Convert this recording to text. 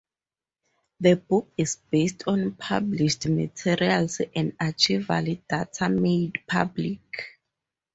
The book is based on published materials and archival data made public.